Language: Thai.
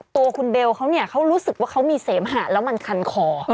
ตัวคุณเบลเขาเนี่ยเขารู้สึกว่าเขามีเสมหะแล้วมันคันคอ